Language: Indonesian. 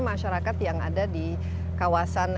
masyarakat yang ada di kawasan